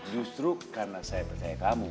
justru karena saya percaya kamu